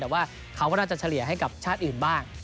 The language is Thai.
แต่ว่าเขาก็น่าจะเฉลี่ยให้กับชาติอื่นบ้าง